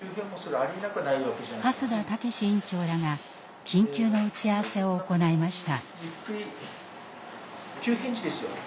蓮田健院長らが緊急の打ち合わせを行いました。